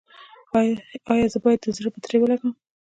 ایا زه باید د زړه بطرۍ ولګوم؟